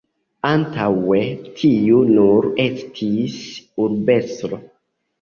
Antaŭe tiu nur estis urbestro.